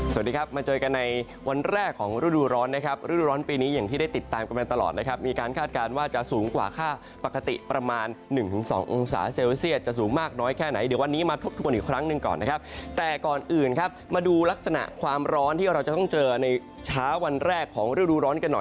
สวัสดีครับมาเจอกันในวันแรกของฤดูร้อนนะครับฤดูร้อนปีนี้อย่างที่ได้ติดตามกันมาตลอดนะครับมีการคาดการณ์ว่าจะสูงกว่าค่าปกติประมาณหนึ่งถึงสององศาเซลเซียตจะสูงมากน้อยแค่ไหนเดี๋ยววันนี้มาทบทวนอีกครั้งหนึ่งก่อนนะครับแต่ก่อนอื่นครับมาดูลักษณะความร้อนที่เราจะต้องเจอในเช้าวันแรกของฤดูร้อนกันหน่อย